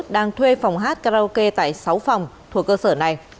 đang thuê phòng hát karaoke tại sáu phòng thuộc cơ sở này